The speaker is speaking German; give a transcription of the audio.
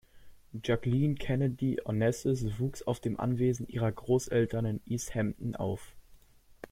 Jacqueline Kennedy Onassis wuchs auf dem Anwesen ihrer Großeltern in East Hampton auf.